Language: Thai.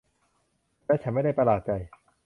และฉันไม่ได้ประหลาดใจ